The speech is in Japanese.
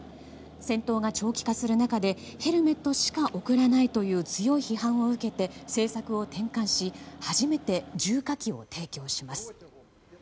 戦闘が長期化する中でヘルメットしか送らないという強い批判を受けて政策を転換し初めて重火器を提供します。